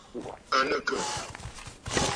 À nɨ̂ àkə̀?